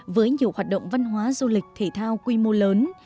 với nhiều hoạt động văn hóa du lịch thể thao quy mô lớn